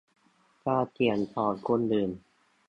การเขียนของคนอื่น